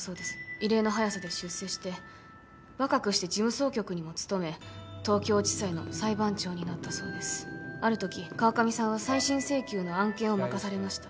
異例の早さで出世して若くして事務総局にも勤め東京地裁の裁判長になったそうですある時川上さんは再審請求の案件を任されました